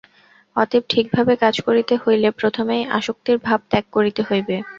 অতএব ঠিকভাবে কাজ করিতে হইলে প্রথমেই আসক্তির ভাব ত্যাগ করিতে হইবে।